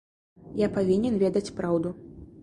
Я павінен ведаць праўду.